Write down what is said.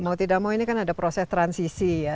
mau tidak mau ini kan ada proses transisi ya